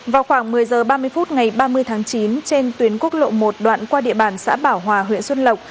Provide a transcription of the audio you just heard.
vào khoảng một mươi h ba mươi phút ngày ba mươi tháng chín trên tuyến quốc lộ một đoạn qua địa bàn xã bảo hòa huyện xuân lộc